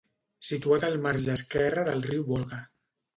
Situat al marge esquerre del riu Volga.